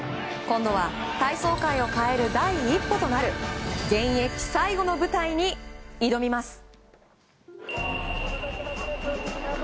今度は体操界を変える第一歩となる現役最後の舞台に挑みます。